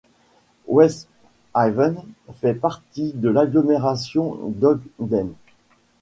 West Haven fait partie de l'agglomération d'Ogden.